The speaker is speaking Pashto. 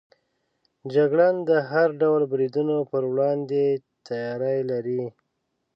جګړن د هر ډول بریدونو پر وړاندې تیاری لري.